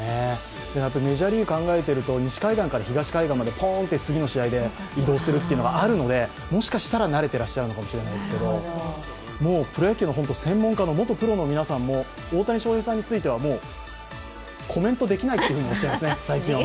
メジャーリーグを考えていると、西海岸から東海岸にポンと移動するっていうのがあるのでもしかしたら慣れてらっしゃるのかもしれませんけれどもプロ野球の専門家の元プロの皆さんも、大谷翔平さんについてはコメントできないとおっしゃいますね、最近は。